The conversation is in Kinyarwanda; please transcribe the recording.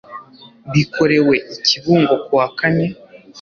bikorewe i kibungo kuwa kane